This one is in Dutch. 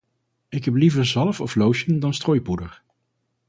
Ik heb liever zalf of lotion dan strooipoeder.